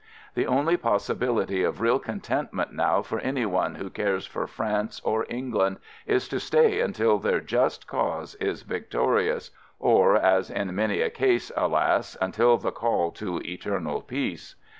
The only possibil ity of real contentment now for any one who cares for France or England is to stay until their just cause is victorious — or (as in many a case, alas !) until the call to eternal peace.